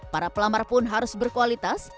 para pelamar pun harus berkualitas